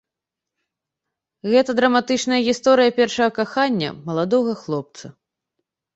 Гэта драматычная гісторыя першага кахання маладога хлопца.